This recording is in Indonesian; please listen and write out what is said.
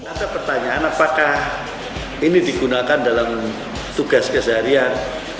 ada pertanyaan apakah ini digunakan dalam tugas keseharian